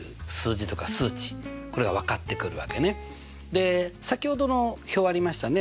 で先ほどの表ありましたね